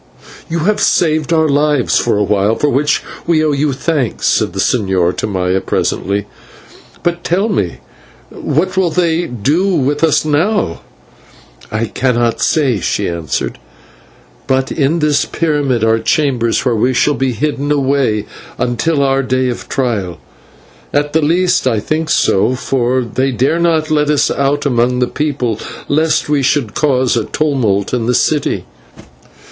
"You have saved our lives for a while, for which we owe you thanks," said the señor to Maya presently, "but tell me, what will they do with us now?" "I cannot say," she answered, "but in this pyramid are chambers where we shall be hidden away until our day of trial. At the least I think so, for they dare not let us out among the people, lest we should cause a tumult in the city."